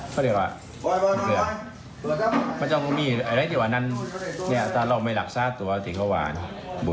พี่แฟนทองที่เดี๋ยวแล้วครับ